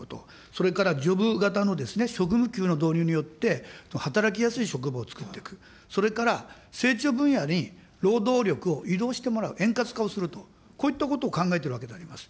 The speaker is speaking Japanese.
それからジョブ型の職務給の導入によって、働きやすい職場を作っていく、それから成長分野に労働力を移動してもらう、円滑化をすると、こういったことを考えているわけであります。